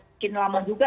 makin lama juga